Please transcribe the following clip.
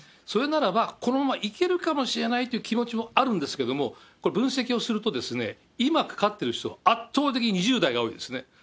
それならば、このままいけるかもしれないという気持ちもあるんですけれども、これ、分析をすると、今かかっている人、圧倒的に２０代が多いですね。